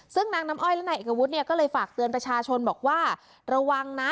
ซึ่งนางน้ำอ้อยและนายเอกวุฒิเนี่ยก็เลยฝากเตือนประชาชนบอกว่าระวังนะ